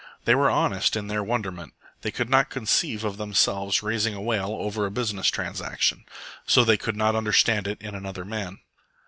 They were honest in their wonderment. They could not conceive of themselves raising a wail over a business transaction, so they could not understand it in another man.